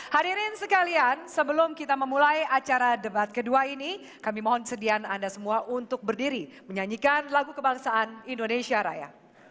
hadirin sekalian sebelum kita memulai acara debat kedua ini kami mohon sedian anda semua untuk berdiri menyanyikan lagu kebangsaan indonesia raya